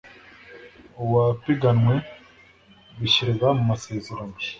uwapiganwe bishyirwa mu masezerano